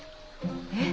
えっ？